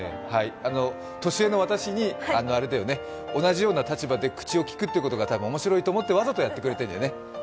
年上の私に同じような立場で口を聞くってことがおもしろいと思ってわざとやってくれてるんだよね。